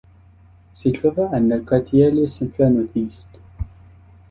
Si trova a nel quartiere Central Northeast.